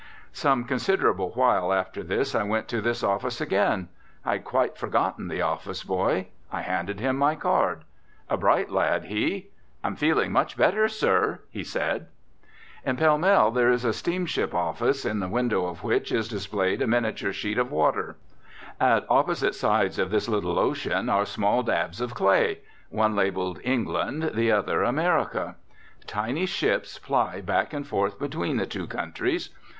Some considerable while after this I went to this office again. I had quite forgotten the office boy. I handed him my card. A bright lad, he. "I'm feeling much better, sir," he said. In Pall Mall there is a steamship office in the window of which is displayed a miniature sheet of water. At opposite sides of this little ocean are small dabs of clay, one labelled England, the other America. Tiny ships ply back and forth between the two countries.